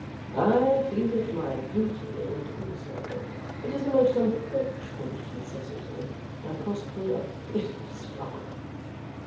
I feel it my duty to be so; it is a most unfortunate necessity; and cost me a bitter struggle.